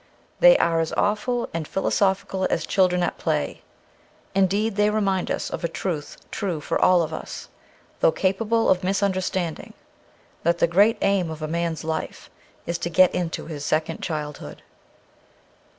They are as awful and philosophical as children at play : indeed, they remind us of a truth true for all of us, though capable of misunderstanding, that the great aim of a man's life is to get into his second childhood.